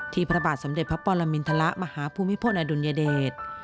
พระบาทสมเด็จพระปรมินทรมาหาภูมิพลอดุลยเดช